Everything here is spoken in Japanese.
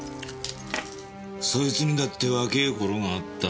そいつにだって若え頃があった。